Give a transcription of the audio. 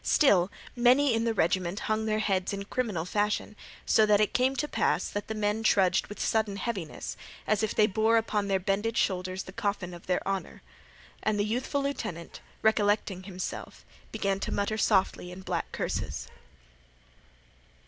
Still, many in the regiment hung their heads in criminal fashion, so that it came to pass that the men trudged with sudden heaviness, as if they bore upon their bended shoulders the coffin of their honor. And the youthful lieutenant, recollecting himself, began to mutter softly in black curses.